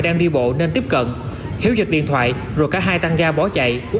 đang đi bộ nên tiếp cận hiếu giật điện thoại rồi cả hai tăng ga bỏ chạy